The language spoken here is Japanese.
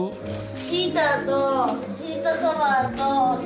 ヒーターとヒートソファと水温計か？